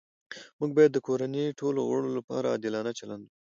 موږ باید د کورنۍ ټولو غړو لپاره عادلانه چلند وکړو